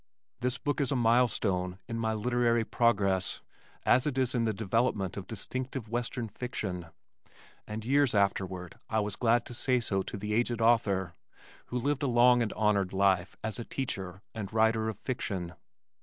This book is a milestone in my literary progress as it is in the development of distinctive western fiction, and years afterward I was glad to say so to the aged author who lived a long and honored life as a teacher and writer of fiction.